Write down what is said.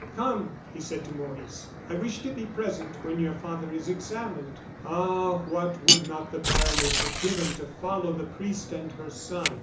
"Come!" he said to Maurice, "I wish to be present when your father is examined." Ah! what would not the baroness have given to follow the priest and her son?